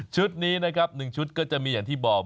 นี้นะครับ๑ชุดก็จะมีอย่างที่บอก